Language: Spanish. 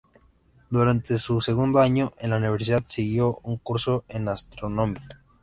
Durante su segundo año en la universidad siguió un curso en astronomía.